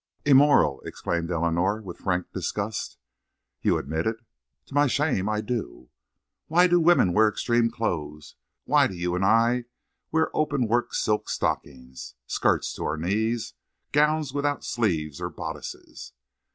"Immoral!" exclaimed Eleanor with frank disgust. "You admit it?" "To my shame, I do." "Why do women wear extreme clothes? Why do you and I wear open work silk stockings, skirts to our knees, gowns without sleeves or bodices?"